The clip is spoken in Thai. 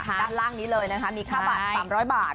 ด้านล่างนี้เลยนะคะมีค่าบัตร๓๐๐บาท